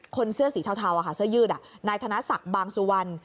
เสื้อสีเทาเสื้อยืดนายธนศักดิ์บางสุวรรณ